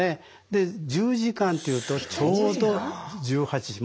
で１０時間というとちょうど１８時。